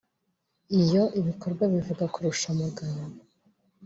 Iyo ibikorwa bivuga kurusha amagambo